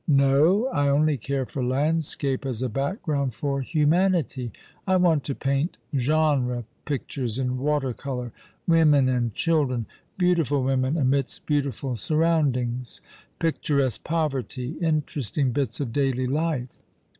" "No; I only care for landscape as a background for humanity. I want to paint genre pictures in water colour women and children — beautiful women amidst beautiful sur roundings — picturesque poverty — interesting bits of daily life.